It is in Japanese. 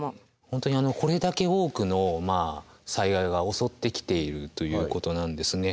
本当にこれだけ多くの災害が襲ってきているということなんですね。